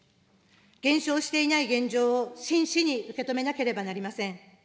減少していない現状を真摯に受け止めなければなりません。